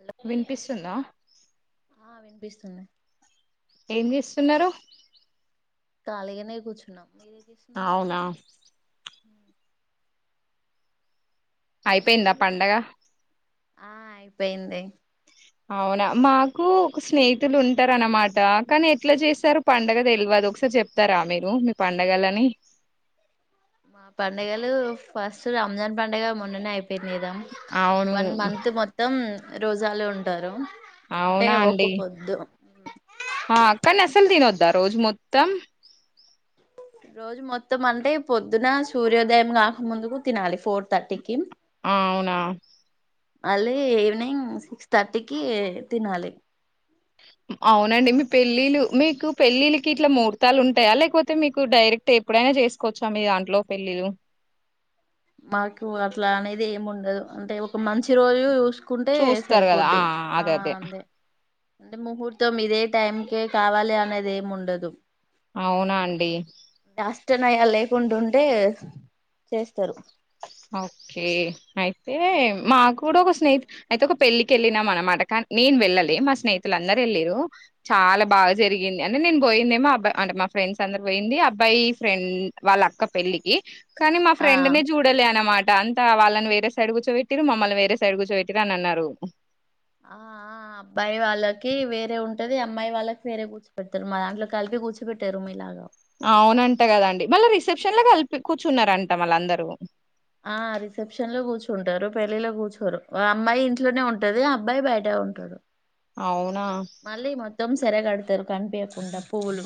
Hello వినిపిస్తుందా ఆ వినిపిస్తుంది ఏం చేస్తున్నరు కాళీగానే కూర్చున్నాం అవునా మ్మ్ అయిపోయిందా చేస్ పండగ ఆ అయిపోయింది అవునా మాకు ఒక స్నేహితులు ఉంటారనమాట కానీ ఎట్లా చేస్తారు పండగ తెలవదు ఒకసారి చెప్తారా మీరు మీ పండగలని మా పండగలు ఫస్ట్ రంజాన్ పండగగా మొన్ననే అయిప్ పింది గాదా అవును వన్ మంత్ మొత్తం రోజాలో ఉంటారు అంటే అవునా అండి ఒకపోద్దు ఉ ఆ కానీ అసలు తినొద్దా రోజు మొత్తం రోజు మొత్తం అంటే పొద్దున సూర్యోదయం కాక ముందుకు తినాలి ఫోర్ థర్టీకి ఆ అవునా మళ్ళీ ఈవినింగ్ సిక్స్ థర్టీకి తినాలి అవునండి మీ పెళ్ళిళ్ళ మీకు పెళ్ళిళ్ళకి ఇట్లా ముహూర్తాలు ఉంటాయా లేకపోతే మీకు డైరెక్ట్ ఎప్పుడైనా చేసుకోవచ్చా మీ దాంట్లో పెళ్ళిళ్ళ మాకు అట్లా అనేది ఏమి ఉండదు అంటే ఒక మంచి రోజు చూ కుంటే చూస్తారు కదా సరిపోద్ది ఆ అదే అదే అంతే అంటే ముహూర్తం ఇదే టైం కే కావాలి అనేది ఏం ఉండదు అవునా అండి చేనయ లేకుండా ఉండే చేస్తారు ఓకే అయితే మా కూడా ఒక స్నేహి అయితే ఒక పెళ్ళికి వెళ్ళినాం అనమాట కానీ నేను వెళ్ళాలే మా స్నేహతులు అందరు వెళ్ళరు చాలా ఆ బాగా ఓకే జరిగింది అంటే నేను పోయిందేమో అబ్బాయి అంటే మా ఫ్రెండ్స్ అందరు పోయింది అబ్బాయి ఫ్రెండ్ వాళ్ళ అక్క పెళ్ళికి కానీ మా ఆ ఫ్రెండ్ నీ లే అనమాట అంత వాళ్ళని వేరే సైడ్ కూర్చోపెట్టిరు మమ్మల్ని వేరే సైడ్ కూర్చోపెట్టిరు అన్నారు ఆ ఆ అబ్బాయి వాళ్ళకి వేరే ఉంట ఉంటది అమ్మాయి వాళ్ళకి వేర కూర్చ పెడాతారు మా దాంట్లో కలిపి కూర్చ పెట్టారు మీలాగా అవునంటా కదండి మళ్ళీ రిసెప్షన్ లో కలిపి కూర్చున్నారంట మళ్ళ అందరూ ఆ రిసెప్షన్ లో కూర్చుంటారు పెళ్ళిలో కూర్చోరు అమ్మాయి ఇంట్లోనే ఉంటది అబ్బాయి బయటె ఉంటాడు అవునా చేరగా కడతారు కంపికుడా పువ్వులు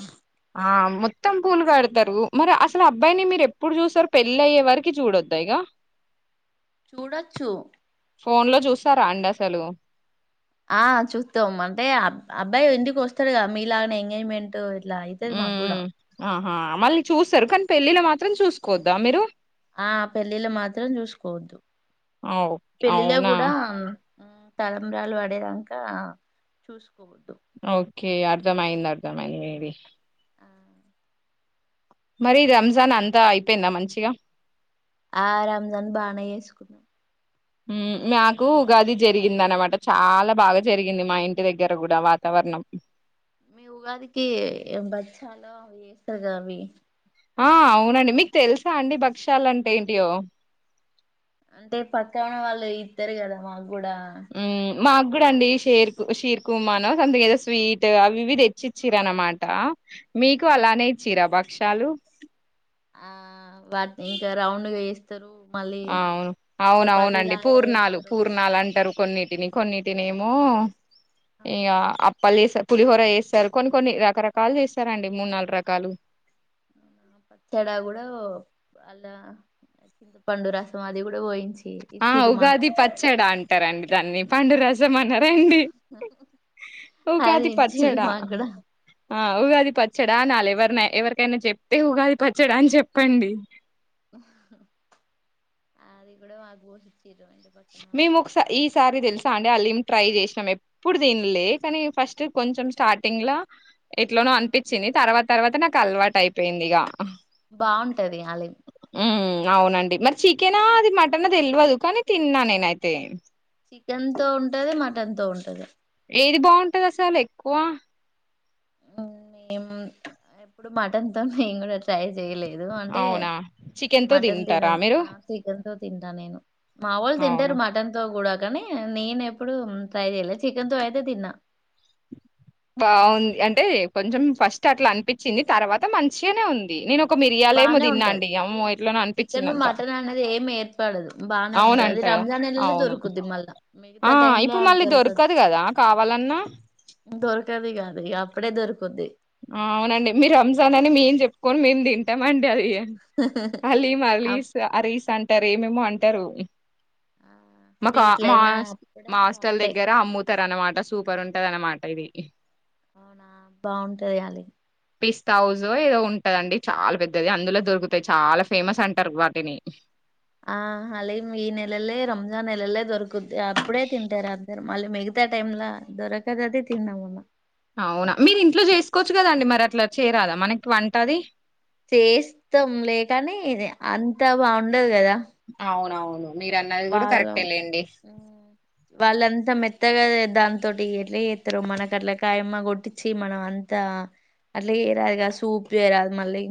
ఆ మొత్తం పూలుగాడతారు మరి అసలు అబ్బాయిని మీరు ఎప్పుడు చూస్తారు పెళ్ళి అయ్యే వారికి చూడొద్దాయిగా చూడొచ్చు ఫోన్ లో చూసాంరాండ్ అసలు చలు ఆ చూస్తాం అంటేబ్ అబ్బాయి ఎందుకు వస్తాడు కద మీలాగనే ఎంగేజ్మెంట్ ఇలా అయితది మాక్ గూడా ఆ మళ్ళీ చూస్తారు కానీ పెళ్ళిలో మాత్రం చూసుకోవద్దా మీరు ఆ పెళ్ళిళ్ళ మాత్రం చూసుకోవద్దు అవ్ పెళ్ళిలో అవునా కూడా తలంబ్రాలు పడేదాక చూసుకోగూడద్ ఓకే అర్ధమైంది అర్ధమైంది మీది ఆ మరి రంజాన్ అంతా అయిపోయిందా మంచిగా ఆ రంజన్ బానే ఏసుకున్నాం ఉమ్ మాకు ఉగాది జరిగింద అనమాట చాలా బాగా జరిగింది మా ఇంటి దగ్గర కూడా వాతావరణం మీ ఉగాదికి ఏ బచ్చలో అవి చేస్తారు కద అవి ఆ అవునండి మీకు తెలుసా అండి భక్ష్యాల అంటే ఏంటియో అంటే పక్కాన్న వాళ్ళు ఇతరు కదా మాకు కూడా హ్మ్, మాకు కూడా అండి షేర్కు షీర్ కుమాను సంతింగ్ ఏదో స్వీట్ అవి ఇవి తెచ్చిచ్చిరా అనమాట మీకు ఆ అలానే ఇచ్చిరా భక్షాలు ఆ వాటి ఇంకా రౌండ్ గా ఎస్ తరు అవును అవునవునండి పూర్ణాలు చేస్తారు పూర్ణాలు అంటరు కొన్నిటిని కొన్నిటినేమో ఆ, ఇగ అప్పల్ ఎసర్ పులిహోర చేస్తారు కొన్ని కొన్ని రకరకాలు చేస్తారండి మూడు నాలుగు రకాలు ఆ పచ్చడ కూడా అలా చింతపండు రసం అది కూడా పోయించి ఆ ఇచ్చిరు మాకు ఉగాది పచ్చడా అంటారండి దాన్ని పండురస్ జ మన్నారా అండి అది ఉగాది ఇచ్చిళ్ళు పచ్చడా మాకు కూడా ఆ ఉగాది పచ్చడా న ఎవరినా ఎవరికైనా చెప్తే ఉగాది పచ్చడా అని చెప్పండి అది కూడా మాకు వొషి మీ ముక్స ఈ సారి తెలుసా అం అలీం ట్రై చేసినాం ఎప్పుడు తినలే కానీ ఫస్ట్ కొంచెం స్టార్టింగ్ ల ఎట్లనో ఆ అనిపించిది తర్వాత తర్వాత నాకు కలవాటు అయిపోయింది ఇగ బాగుంటది అలి ఊ అవునండి మరి చికెనా అది మటన తెల్వదు కానీ తిన్నా నేనైతే చికెన్ తో ఉంటది మటన్ తో ఉంటది ఏది బాగుంటది అసలు ఎక్కువ ఊ మేము ఎప్పుడు మటన్ తో మేము కూడా ట్రై చేయలేదు అంటే అవునా నేను చికెన్ తో మటన్ తింటారా తినను మీరు ఆ చికెన్ తో తింటా నేను మావోల్ అవునా తింటరు మటన్ తో కూడా కానీ నేను ఎప్పుడు ట్రై చెయలే చికెన్ తో అయితే తిన్నా బాగుంది అంటే కొంచెం ఫస్ట్ అట్లా అనిపించింది తర్వాత మంచిగానే ఉంది నేను ఒ బానే ఉంటది అదే అది చికెన్ అనిపించిందంతా మటన్ అనేది ఏమి ఏర్పడదు బాగానే ఉంటంది అది అవునంట రంజాన్ నెలలో అవును దొరుకుద్ది మళ్ళా ఆ మిగతా టైమ్ లో ఇప్పుడు అది మళ్ళీ దొరకదు కదా కావాలన్నా ఇగ అప్పుడె దొరుక్ అవునండి మీరు రంజాన్ అని మేం చెప్పుకొని మేము దిన్ ట్ట మండాల [inaudible] అలీ అప్ మరలిస్ అర స అ అంటారు ఏమేమో అంటారు ఆ మాకు మా స్వీట్లయినా అప్పుడే మా హాస్టల్ బాగుంటాయి దగ్గర అమ్ము త అనమాట సూపర్ ఉంటది అనమాట ఇది అవునా బాగుంటదియాలి పిస్తా హౌజ ఏదో ఉంటదండి చాలా పెద్ద ది అందులో దొరుకుతాయి చాలా ఫేమస్ అంటారు వాటిని ఆ హలీమ్ ఈ నెలలే రంజాన్ నెలలే దొరకుద్ది అప్పుడే తింటారు అందరూ మళ్ళీ మిగతా టైమ్లా దొరకదు అది తిన్నాము అవునా మీరు ఇంట్లో చేసుకోవచ్చు కదండి మరి అట్లా చేరాదా మనకి వంట ఆది చేస్తాం లేకని అంత బాగుండదు కదా అవునువను మీరు అన్నది కూడా వాళ్ళు కరెక్టే లేండి వాళ్ళంతా మెత్తగా దాని తటి ఎట్లే చేస్తారు మనకు అట్లా కాయమ్మ కొట్టించి మనం అంతా అట్లా చేరాదు క సూప్ చేరాదు మళ్ళీ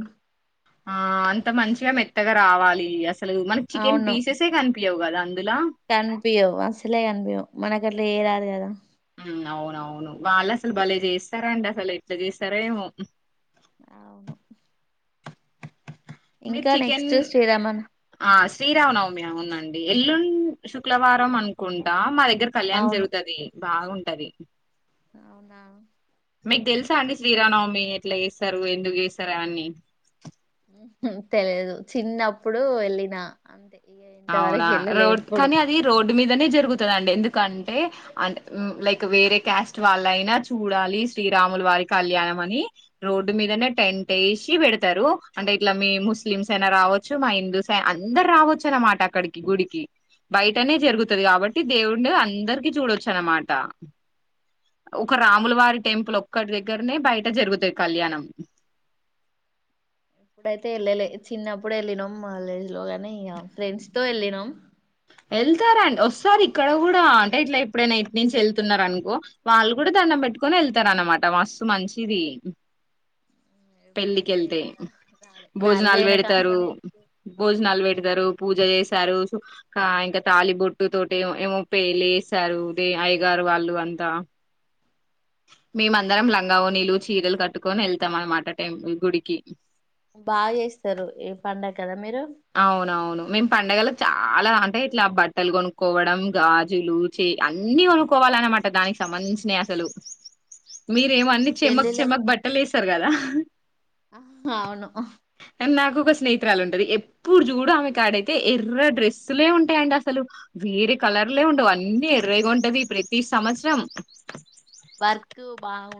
ఆ అంత మంచిగా మెత్తగా రావాలి అస మనక్ చికెన్ పీసెసే కను యోగాద అందులా కన్పియవు అసలే కన్పియవు మనకు అట్లా చేయరాదు కదా అవునవును వాళ్ళు అసలు భలే చేస్తారా అండి అసలు ఎట్లా చేస్తారా ఏమో అవును ఇంకా నెక్స్ట్ శ్రీరామన్ శ్రీరావనవమి ఉందండి ఎల్లుండి శుక్లవారం అనుకుంటా మా దగగర దగ్గర కళ్యాణం అవును జరుగుతుది బాగుంటది అవునా మీకు తెలుసా అండి శ్రీరామానవమి ఎట్లా చేస్తారు ఎందుకు చేస్తారు అన్ని తెలిదు చిన్నప్పుడు వెళ్ళిన ఇక ఇంతవరకు అవునా వెళ్ళలే రోడ్ ఎప్పుడు కానీ అది రోడ్డు మీదనే జరుగుతు ఆండీ ఎందుకంటే లైక్ వేరే క్యాస్ట్ వాళ్ళయినా చూడాలి శ్రీరాములు వారి కళ్యాణం అని రోడ్డు మీదనే టెంట్ వేసి పెడతారు అంటే ఇట్లా మీ ముస్లిమ్స్ అయినా రావచ్చు మా హిందూస్ అయి అందరు రావచ్చు అన్నమాట అక్కడికి గుడికి బయటనే జరుగుతుది కాబట్టి దేవుడు అందరికి చూడొచ్చు అనమాట అవు ఒక రాముల వారి టెంపుల్ ఒక్కడి దగ్గరనే బయట జరుగుతది కళ్యాణం ఎప్పుడైతే వెళ్ళలే చిన్నప్పుడు వెళ్ళినాం కాలేజ్ లో గాని ఇ ఫ్రెండ్స్ తో వెళ్ళినాం వెళ్తారడి వస్తారి ఇక్కడ కూడా అంటే ఇట్లా ఎప్పుడే న ఇట్ నుంచి వెళ్తున్నారు అనుకో వాళ్ళు కూడా దండం పెట్టుకని వెళ్తార అనమాట మస్తు మంచిది పెళ్ళికి ఎప్పుడైతే వెళ్తే ఇంకా రాలే మ్యారేజ్ భోజనాలు అయిన పెడతారు కాంచనే ఎక్కువ భోజనాలు పెడతారు వెళ్ళలే. పూజ చేసారు సి ఇంకా తాలిబొట్టు తోటి ఏమో ప లేసారుదే అయగారు వాళ్ళు అంతా మేం అందరం లంగా ఓణీలు చి చీరలు కట్టుకొని వెళ్తాం అనమాట టైంపుల్ గుడికి బాగా చేస్తారు ఈ పడుగ కదా మీరు అవునవును మేము పండగలో చాలా అంటే ఇట్లా బట్టలు కొనుక్కోవడం గాజులు చే అన్ని కొనుక్కోవాలన్నమాట దానికి సంబంధించినవి అసలు మీరేమన్న మీ చెమక్ పెళ్ళిళ్ళకు చెమక్ బట్టలు వేసారు కదా అవును నాకు స్నేహితురాలు ఉండది ఇప్పుడు చూడు ఆమె కాడైతే ఎర్ర డ్రెస్సులే ఉంటాయండి అసలు వేరి కలర్లే ఉండ వంటీ ముదరేగా ఉంటది ప్రతి సంవత్సరం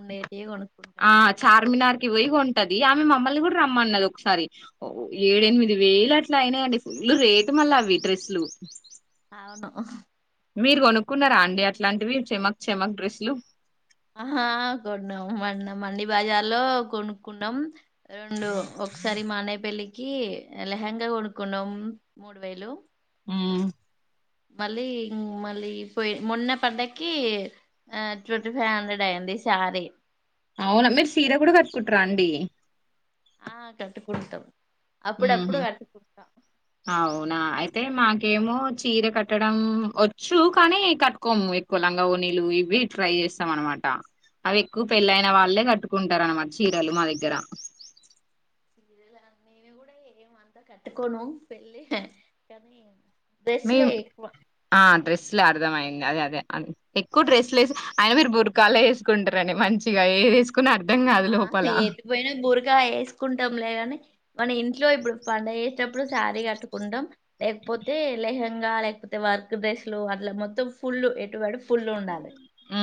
ఉ ఏటి కొన ఆ చార్మినార్కి పో ఉంటది ఆమె మమ్మల్ని కూడా రమ్మ అన్నారు ఒకసారి ఓ ఏడ ఎనిమిది అవును వేలు అట్లా అయినా లు రేటు మళ్ళ అవి డెస్సులు అవును మీరు కొనుక్కున్నారా మేము అండి మొన్నాం అట్లాంటివి చెమక్ చెమక్ డ్రెస్ హ ఆహా కొన్నాం మం మండి బజార్ లో కొనుక్కున్నాం రెండు ఒకసారి మా అన్నయ్య పెళ్లికి లెహంగా కొనుక్కున్నాం మూడు వేలు హమ్ మళ్ళీ మళ్ళీ పోయి మొన్న పండగకి ఆ ట్వంటీ ఫైవ్ హండ్రెడ్ అయయింది ఈ సారి అవునా మీరు సీర కూడా కట్టుకుంటార అండి ఆ కట్టుకుంటాం హమ్ అప్పుడప్పుడు కట్టుకుంటాం అవునా అయితే మా ఇంకేమో చీర కట్టడం వచ్చు కానీ కట్టుకోము ఎక్కువ లంగా నీలు ఇవి ట్రై చేస్తాం అనమాట అవి ఎక్కువ పెళ్ళయిన వాళ్ళే కట్టుకుంటారు అనమాట చీరలు మా దగ్గర చీరిలు నేను కూడా ఏమ అంతా కట్టుకోను పెళ్లి కానీ మ డ్రెస్లే ఎక్కువ ఆ డ్రైస్సులు అరుదమఐ అదే అదే అది ఎక్కువ డ్రెస్లు వేసి ఆయన మీరు బురకాల వేసుకుంటారని మంచిగా ఏ వేసుకు ఆ ఎది పోయినా బురగా వేసుకుంటాంలేగాని మన ఇంట్లో ఇప్పుడు పడుగ చేసేటప్పుడు శారీ కట్టుకుంటాం లేకపోతే లహ లేకపోతే వర్క్ డ్రెస్సులు వాటిల మొత్తం ఫుల్లు ఎటు ఫుల్ ఉండాలి ఉ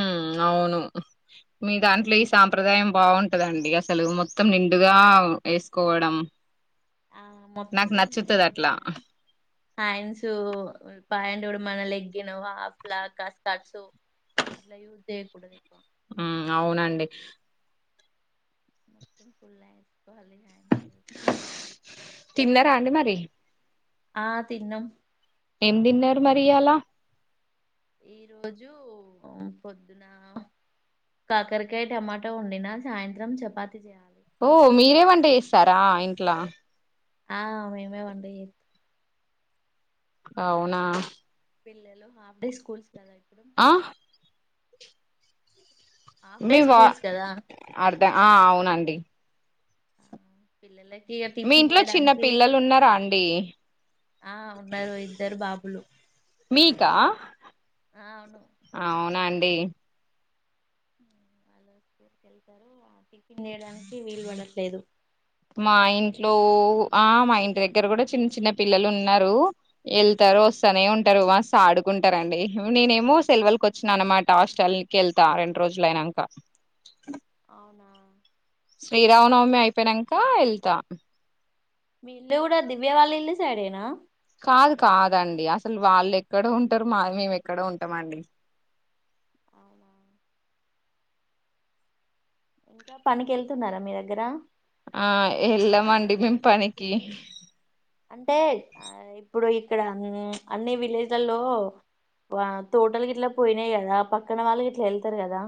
అవును మీ దాంట్లో ఈ సాంప్రదాయం బాగుంటదండి అసలు మొత్తం నిండుగా వేసుకోవడం ఆ నాకు నచ్చుతది అట్లా హ్యడ్స్ పండు మన లెగ్ హఫ్ అ యూస్ చేయ్యకూడదు ఇ హమ్ అవునండి మొత్తం ఫల్ స్కోల తిన్నారా అండి మరి ఆ తిన్నం ఏం తిన్నార్ మరి ఇయ్యల ఈ రోజు ఊ పొద్దున కాకరకాయ టమాటా వండినా సాయంత్రం చపాతి చేయాలి ఓ మీరే వంట్ చెస్ తర ఇంట్లా ఆ మేమే వంట చేస్తం అవునా పిల్లలు ఆఫ్ డే స్కూల్స్ కదా ఇప్పుడు ఆ హాఫ్ డే మీ వా స్కూల్స్ కదా అర్ధా ఆ అవునండి ఆ పిల్లలే ఇగ మీ టిఫిన్ ఇంట్లో చిన్న చేయడానికి పిల్లలు ఉన్నారా అండి ఆ ఉన్నారు ఇద్దరు బాబులు మీకా ఆ అవును అవునం ఎ వాళ్ళు స్కూల్ కెళ్తార్ ఆ టిఫిన్ చేేయడానికి వీలు పడట్లేదు మా ఇంటిక్ లో ఆ మా ఇంటి దగ్గర కూడా చిన్న చిన్న పిల్లలు ఉన్నారు వెళ్తారు వస్తానే ఉంటారు మాస్త ఆడుకుంటారుండి నేనేమో సెల్ వాల్ కు వచ్చినా అనమాట హాస్టల్కి వెళ్తా రెండు రోజులు అయినంక అవునా శ్రీరామనవమి అయిపోనాక ఏళ్తా మీ ఇల్లు కూడా దివ్య వాళ్ళ ఇల్లు సైడేనా కాదు కాదండి అసలు వాళ్ళు ఎక్కడో ఉంటారు మామ్ మీ మేము ఎక్కడో ఉంటామ్ అండి అవునా ఇంకా పనికి వెళ్తున్నారా మీ దగ్గర ఆ ఎలా మండి మేమ్ పనీకి అంటే ఆ ఇప్పుడు ఇక్కడ హుమ్ అన్ని విలేజ్లలో ఆ తోటలకి ఇట్లా పోయినాయి గదా పక్కన వాళ్ళకి ఇట్లా ఎల్తార్ కదా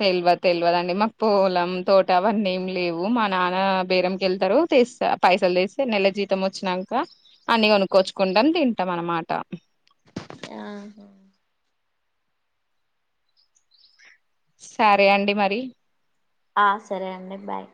తెల్ వద్ తెలివదుండి మాకు పోలం తోట అవన్నీ ఏమి లేవు మా నాన్న బేరంమ్ క్ తెస్ స్త పైసల్ తీస్తే నెల జీతం వచ్చినాక అన్ని కొనుక్కొచ్చుకుంటాం తింటాం అన్నమాట ఆహా. సరే అండి మరి ఆ సరే అండి బాయ్